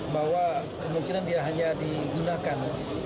bahwa kemungkinan dia hanya digunakan